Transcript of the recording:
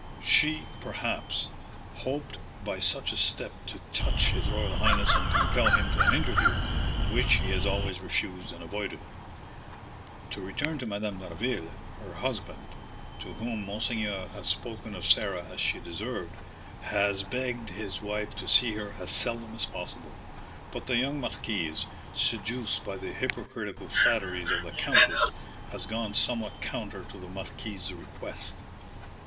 "She, perhaps, hoped by such a step to touch his royal highness and compel him to an interview, which he has always refused and avoided. To return to Madame d'Harville: her husband, to whom monseigneur has spoken of Sarah as she deserved, has begged his wife to see her as seldom as possible; but the young marquise, seduced by the hypocritical flatteries of the countess, has gone somewhat counter to the marquis's request.